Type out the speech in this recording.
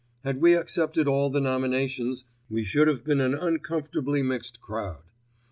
Had we accepted all the nominations, we should have been an uncomfortably mixed crowd.